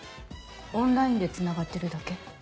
オンラインで繋がってるだけ？